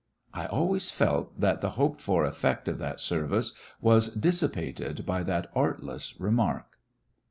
" I always felt that the hoped for effect of that service was dissipated by that artless remark.